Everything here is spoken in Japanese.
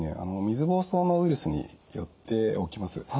水ぼうそうのウイルスによって起きます。